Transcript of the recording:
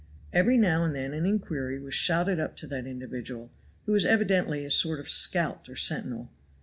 Every now and then an inquiry was shouted up to that individual, who was evidently a sort of scout or sentinel.